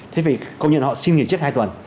thế vì công nhân họ xin nghỉ trước hai tuần